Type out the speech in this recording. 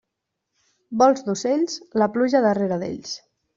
Vols d'ocells, la pluja darrera d'ells.